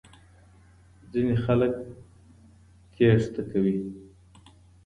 ځینې خلک تیښته وکړه.